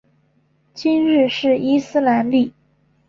今日是伊斯兰历。